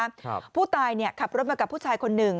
ครับผู้ตายเนี่ยขับรถมากับผู้ชายคนหนึ่ง